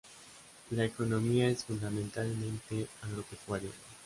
La economía es fundamentalmente agropecuaria.